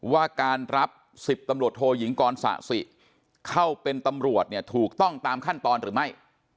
ว่าการรับ๑๐ตำรวจโทยิงกรสะสิเข้าเป็นตำรวจเนี่ยถูกต้องตามขั้นตอนหรือไม่